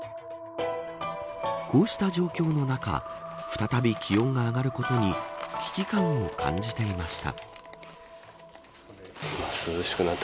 こうした状況の中再び気温が上がることに危機感を感じていました。